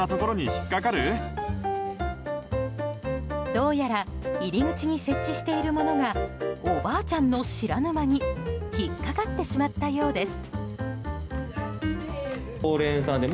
どうやら入り口に設置しているものがおばあちゃんの知らぬ間に引っかかってしまったようです。